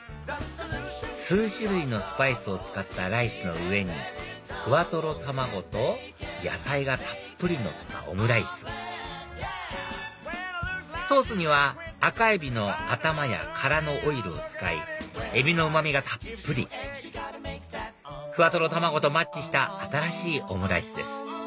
数種類のスパイスを使ったライスの上にふわとろ卵と野菜がたっぷりのったオムライスソースにはアカエビの頭や殻のオイルを使いエビのうま味がたっぷりふわとろ卵とマッチした新しいオムライスです